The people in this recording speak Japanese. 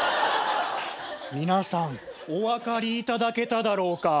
皆さんお分かりいただけただろうか。